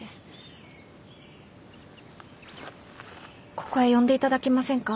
ここへ呼んでいただけませんか？